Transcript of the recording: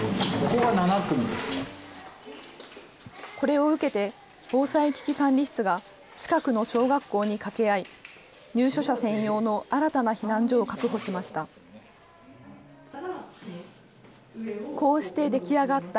これを受けて防災危機管理室が近くの小学校に掛け合い、入所者専用の新たな避難所を確保しました。